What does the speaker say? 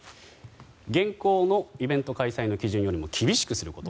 現行のイベント開催の基準よりも厳しくすること。